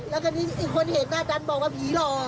แล้วก็อีกคนเห็นหน้าจันบอกว่าผีหรอก